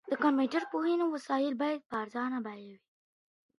د کمپيوټر پوهنې وسایل باید په ارزانه بیه وي.